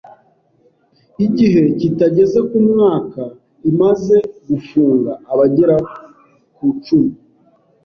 igihe kitageze ku mwaka imaze gufunga abagera kucumi.